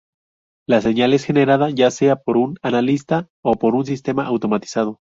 La señal es generada ya sea por un analista o por un sistema automatizado.